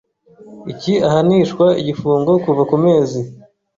iki ahanishwa igifungo kuva ku mezi